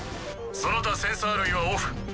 その他センサー類はオフ。